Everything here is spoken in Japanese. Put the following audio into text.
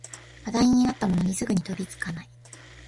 話題になったものにすぐに飛びつかない